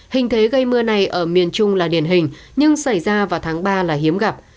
hình thế gây mưa này ở miền trung là điển hình nhưng xảy ra vào tháng ba là hiếm gặp